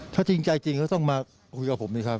ถ้าจริงใจจริงก็ต้องมาคุยกับผมนี่ครับ